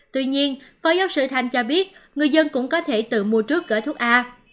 tuy nhiên phó giáo sư thanh cho biết người dân cũng có thể tự mua trước gói thuốc a